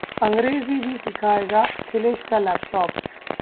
अंग्रेजी भी सिखाएगा अखिलेश का लैपटॉप